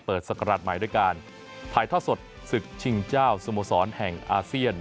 ศักราชใหม่ด้วยการถ่ายทอดสดศึกชิงเจ้าสโมสรแห่งอาเซียน